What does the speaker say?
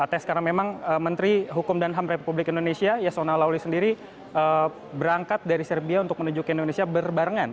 menteri kemenkumham dan kemenkumham republik indonesia yasona lawli sendiri berangkat dari serbia untuk menuju ke indonesia berbarengan